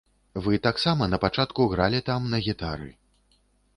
Вы таксама напачатку гралі там на гітары.